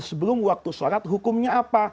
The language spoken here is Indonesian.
sebelum waktu sholat hukumnya apa